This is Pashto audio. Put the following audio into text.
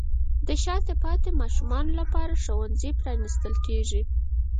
د شاته پاتې ماشومانو لپاره ښوونځي پرانیستل کیږي.